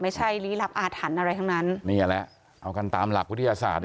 ลี้ลับอาถรรพ์อะไรทั้งนั้นนี่แหละเอากันตามหลักวิทยาศาสตร์